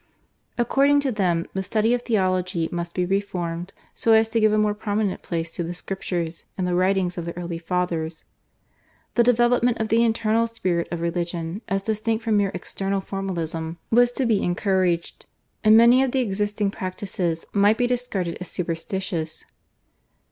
According to them the study of theology must be reformed so as to give a more prominent place to the Scriptures and the writings of the early Fathers; the development of the internal spirit of religion as distinct from mere external formalism was to be encouraged, and many of the existing practices might be discarded as superstitious.